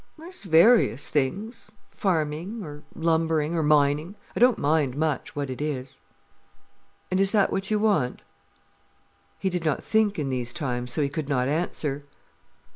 "There's various things—farming or lumbering or mining. I don't mind much what it is." "And is that what you want?" He did not think in these times, so he could not answer.